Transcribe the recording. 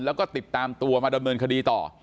แล้วก็ติดตามตัวมาดำเนินคดีต่อ